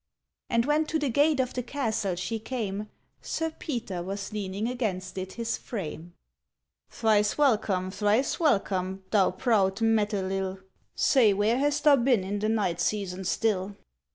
And when to the gate of the castle she came, Sir Peter was leaning against it his frame. ŌĆ£Thrice welcome, thrice welcome, thou proud Mettelil, Say where hast thou been in the night season still?